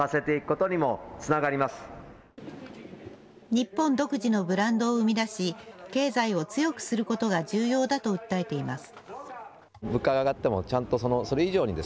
日本独自のブランドを生み出し、経済を強くすることが重要だと訴えています。